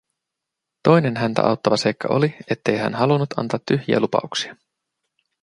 Toinen häntä auttava seikka oli, ettei hän halunnut antaa tyhjiä lupauksia.